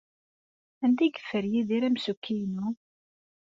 Anda ay yeffer Yidir amsukki-inu?